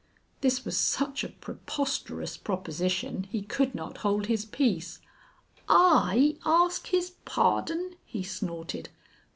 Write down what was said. This was such a preposterous proposition, he could not hold his peace. "I ask his pardon!" he snorted.